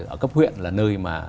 ở cấp huyện là nơi mà